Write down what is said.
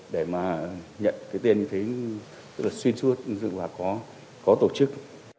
để mà nhận tiền xuyên suốt dựng hoạt có tổ chức